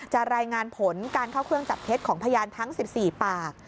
รายงานผลการเข้าเครื่องจับเท็จของพยานทั้ง๑๔ปาก